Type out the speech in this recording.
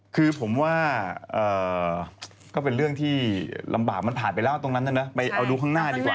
คือผมว่าก็เป็นเรื่องที่ลำบากมันผ่านไปแล้วตรงนั้นนะไปเอาดูข้างหน้าดีกว่า